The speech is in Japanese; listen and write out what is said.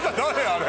あれ。